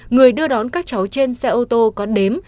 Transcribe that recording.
người đưa đón các cháu trên xe ô tô có đếm